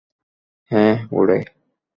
হ্যাঁ, উড়ে।